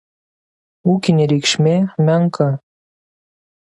Ūkinė reikšmė menka.